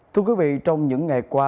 thưa quý vị trong những ngày qua